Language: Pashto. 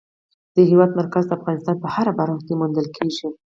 د هېواد مرکز د افغانستان په هره برخه کې موندل کېږي.